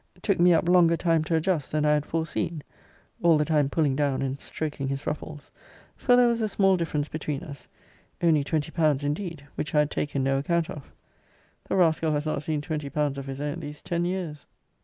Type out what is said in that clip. ] took me up longer time to adjust than I had foreseen [all the time pulling down and stroking his ruffles]: for there was a small difference between us only twenty pounds, indeed, which I had taken no account of. The rascal has not seen twenty pounds of his own these ten years.